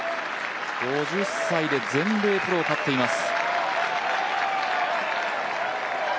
５０歳で全米プロを勝っています。